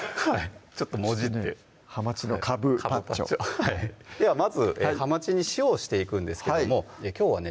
ちょっともじって「ハマチのかぶパッチョ」ではまずはまちに塩をしていくんですけどもきょうはね